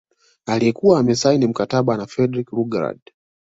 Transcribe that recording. Alikuwa amesaini mkataba na Frederick Lugard